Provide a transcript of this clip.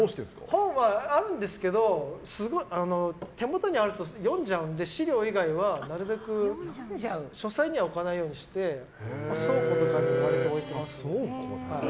本はあるんですけど手元にあると読んじゃうので資料以外はなるべく書斎には置かないようにして倉庫とかに割と置いてます。